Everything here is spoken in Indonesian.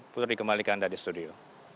putri kembalikan dari studio